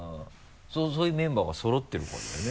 そういうメンバーがそろってるかだね。